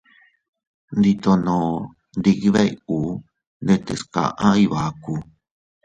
Nditono ndibey uu ndetes kaʼa Iybaku.